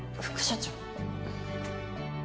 副社長